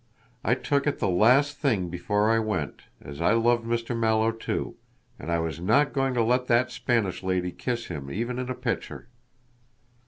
I took it the last thing before I went, as I loved Mr. Mallow too, and I was not going to let that Spanish lady kiss him even in a picture."